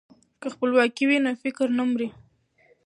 که خپلواکي وي نو فکر نه مري.